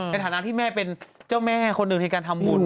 ในฐานะที่แม่เป็นเจ้าแม่คนหนึ่งในการทำบุญ